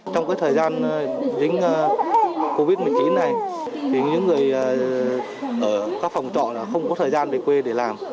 trong thời gian dính covid một mươi chín này những người ở các phòng trọ không có thời gian về quê để làm